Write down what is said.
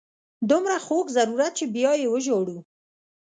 دومره خوږ ضرورت چې بیا یې وژاړو.